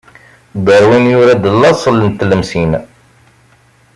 Darwin yura-d Laṣel n Tlemsin.